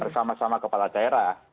bersama sama kepala daerah